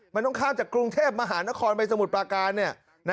มันต้องข้ามจากกรุงเทพมหานครไปสมุทรปราการ